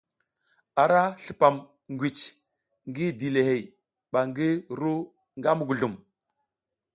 Ara slupam ngwici ngi dilihey ba ngi ru nga muguzlum.